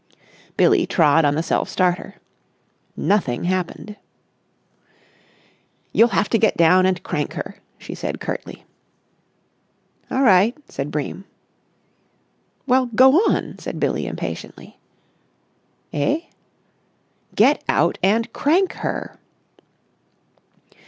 Billie trod on the self starter. Nothing happened. "You'll have to get down and crank her," she said curtly. "All right," said Bream. "Well, go on," said Billie impatiently. "Eh?" "Get out and crank her."